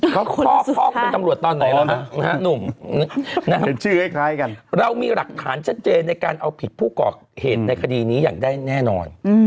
เขาคลอกเป็นตำรวจตอนไหนแล้วฮะหนุ่มนะครับเรามีหลักฐานชัดเจนในการเอาผิดผู้กรอกเหตุในคดีนี้อย่างได้แน่นอน